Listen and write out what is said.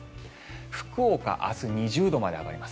福岡明日２０度まで上がります。